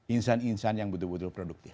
insan insan yang betul betul produktif